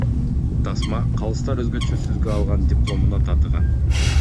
Тасма Калыстар өзгөчө сөзгө алган дипломуна татыган.